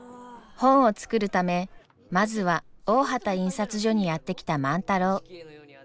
本を作るためまずは大畑印刷所にやって来た万太郎。